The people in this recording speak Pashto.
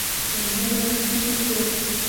تر ما به لږ څه ټيټ و.